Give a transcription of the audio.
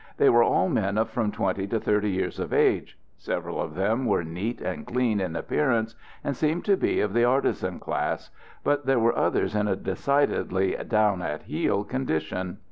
They were all men of from twenty to thirty years of age. Several of them were neat and clean in appearance, and seemed to be of the artisan class, but there were others in a decidedly "down at heel" condition.